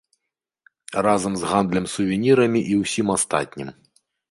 Разам з гандлем сувенірамі і ўсім астатнім.